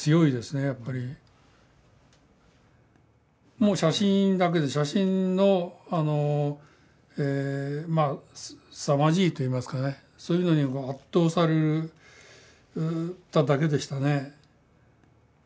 もう写真だけで写真のすさまじいといいますかねそういうのに圧倒されただけでしたね。